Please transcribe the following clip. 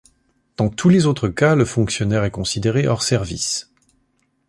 Dans tous les autres cas, le fonctionnaire est considéré hors service.